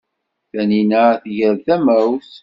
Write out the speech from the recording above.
Taninna tger tamawt.